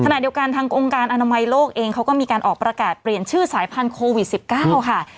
ขณะเดียวกันทางองค์การอนามัยโลกเองเขาก็มีการออกประกาศเปลี่ยนชื่อสายพันธุวิต๑๙ค่ะ